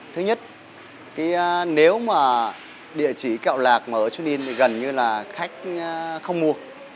thứ nhất nếu mà địa chỉ kẹo lạc ở sonin thì gần như là khách không mua